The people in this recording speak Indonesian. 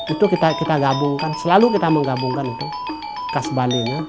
itu kita gabungkan selalu kita menggabungkan itu kas bali nya